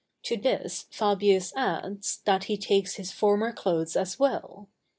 To this Fabius adds, that he takes his former clothes as well.